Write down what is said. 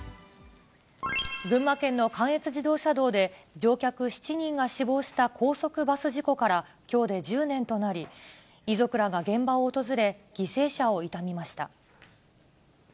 群馬県の関越自動車道で、乗客７人が死亡した高速バス事故から、きょうで１０年となり、遺族らが現場を訪れ、犠牲者を悼みました。